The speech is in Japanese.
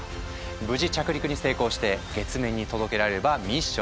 無事着陸に成功して月面に届けられればミッション成功。